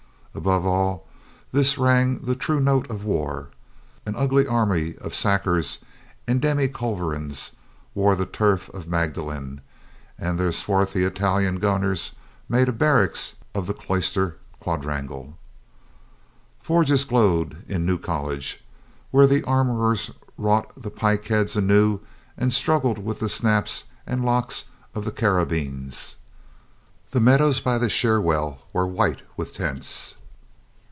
Above all this rang the real note of war. An ugly army of sakers and demi culverins wore the turf of Magdalen, and their swarthy Italian gunners made a barrack of the 103 I04 COLONEL GREATHEART cloister quadrangle. Forges glowed in New College, where the armorers wrought the pike heads anew and struggled with the snaps and locks of the cara bines. The meadows by the Cherwell were white with tents.